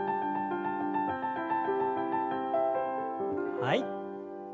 はい。